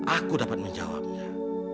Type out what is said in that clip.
aku dapat menjawabnya